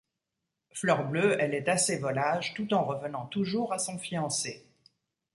Fleur bleue, elle est assez volage, tout en revenant toujours à son fiancé.